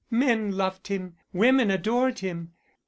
Men loved him, women adored him.